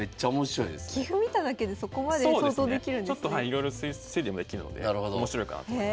いろいろ推理もできるので面白いかなと思います。